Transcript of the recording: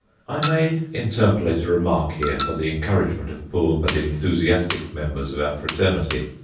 I may interpolate a remark here for the encouragement of poor but enthusiastic members of our fraternity.